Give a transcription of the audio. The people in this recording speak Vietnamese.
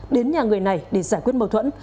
đến nhà người này để giải quyết mâu thuẫn